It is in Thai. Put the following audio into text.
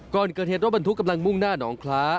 ก่อนเกิดเหตุรถบรรทุกกำลังมุ่งหน้าหนองคล้า